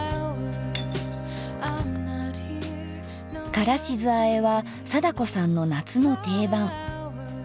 「からし酢あえ」は貞子さんの夏の定番。